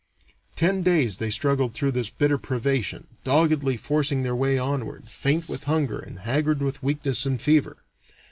Ten days they struggled through this bitter privation, doggedly forcing their way onward, faint with hunger and haggard with weakness and fever.